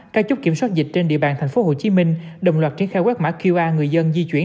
các chốt kiểm soát dịch trên địa bàn tp hcm đồng loạt triển khai quét mã qr người dân di chuyển